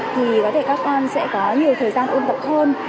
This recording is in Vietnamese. thì có thể các con sẽ có nhiều thời gian ôn tập hơn